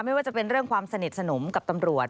ไม่ว่าจะเป็นเรื่องความสนิทสนมกับตำรวจ